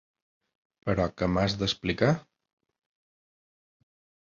Però què m'has d'explicar?